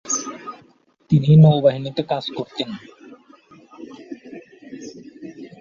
তিনি নৌবাহিনীতে কাজ করতেন।